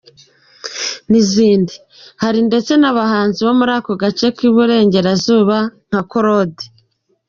n'izindi, hari ndetse n'abahanzi bo muri ako gace k'iburengerazuba nka Claude.